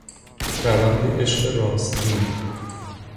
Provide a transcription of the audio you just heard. روند عشق راستین